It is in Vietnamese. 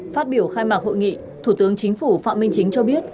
phát biểu khai mạc hội nghị thủ tướng chính phủ phạm minh chính cho biết